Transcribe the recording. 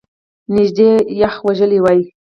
نژدې یخ وژلی وای !